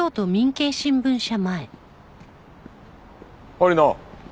堀野。